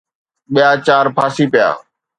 ٻيا چار ڦاسي پيا